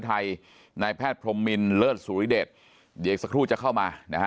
นายแพทย์พรมมินเลิศสุริเดชเดี๋ยวอีกสักครู่จะเข้ามานะฮะ